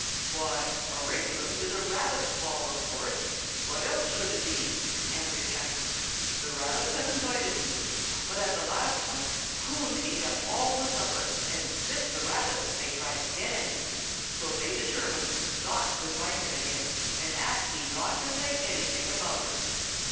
"Why, a rinktum is a rabbit's ball, of course. What else should it be?" answered Chucky. "The rabbits have invited me; but at the last one Coon ate up all the supper, and bit the rabbits if they tried to get any; so they determined not to invite him again, and asked me not to say anything about it."